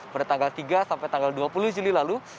pada tanggal tiga sampai tanggal dua puluh juli lalu